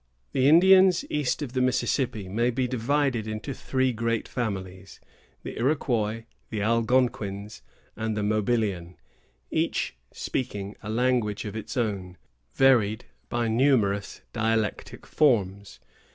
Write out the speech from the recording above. The Indians east of the Mississippi may be divided into three great families: the Iroquois, the Algonquin, and the Mobilian, each speaking a language of its own, varied by numerous dialectic forms.